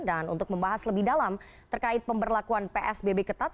dan untuk membahas lebih dalam terkait pemberlakuan psbb ketat